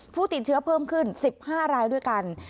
ผู้ติดเชื้อเพิ่มขึ้น๑๕รายด้วยกัน